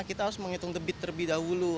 kita harus menghitung debit terlebih dahulu